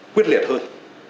quyết liệt hơn